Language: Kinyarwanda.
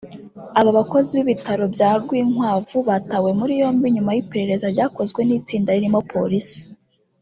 Aba bakozi b’ibitaro bya Rwinkwavu batawe muri yombi nyuma y’iperereza ryakozwe n’itsinda ririmo polisi